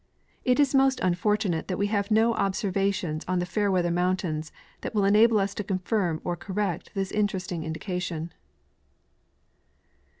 It is most unfortunate that we have no observations on the Fairweather mountains that will enable us to confirm or correct this interesting indication.